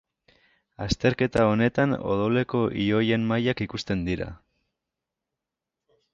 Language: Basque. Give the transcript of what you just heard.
Azterketa honetan odoleko ioien mailak ikusten dira.